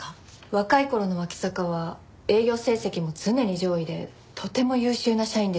若い頃の脇坂は営業成績も常に上位でとても優秀な社員でした。